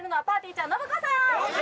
ちゃん・信子さん！